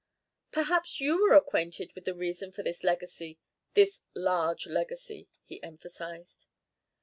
"Perhaps you were acquainted with the reason for this legacy this large legacy," he emphasised.